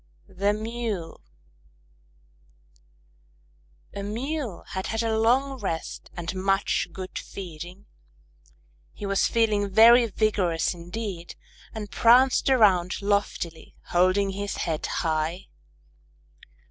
_ THE MULE A Mule had had a long rest and much good feeding. He was feeling very vigorous indeed, and pranced around loftily, holding his head high.